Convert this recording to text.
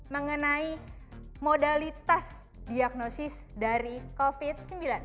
mengenai modalitas diagnosis dari covid sembilan belas